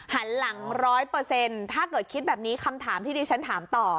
หันหลังร้อยเปอร์เซ็นต์ถ้าเกิดคิดแบบนี้คำถามที่ดีฉันถามต่อ